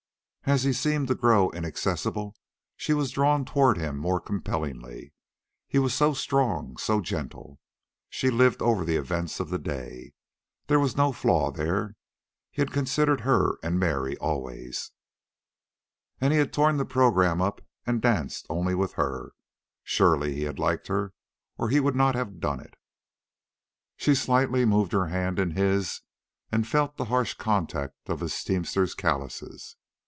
As he seemed to grow inaccessible, she was drawn toward him more compellingly. He was so strong, so gentle. She lived over the events of the day. There was no flaw there. He had considered her and Mary, always. And he had torn the program up and danced only with her. Surely he had liked her, or he would not have done it. She slightly moved her hand in his and felt the harsh contact of his teamster callouses.